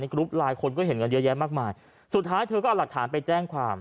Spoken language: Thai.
กรุ๊ปไลน์คนก็เห็นกันเยอะแยะมากมายสุดท้ายเธอก็เอาหลักฐานไปแจ้งความ